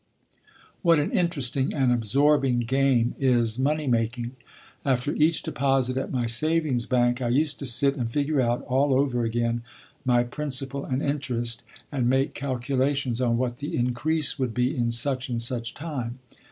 What an interesting and absorbing game is money making! After each deposit at my savings bank I used to sit and figure out, all over again, my principal and interest, and make calculations on what the increase would be in such and such time.